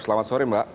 selamat sore mbak